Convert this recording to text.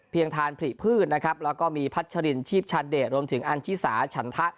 ทานผลิพืชนะครับแล้วก็มีพัชรินชีพชาเดชรวมถึงอันชิสาฉันทะ